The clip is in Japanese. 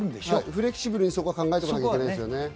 フレキシブルに考えておかなければいけないですよね。